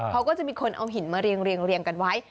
เขาก็จะมีคนเอาหินมาเรียงกันไว้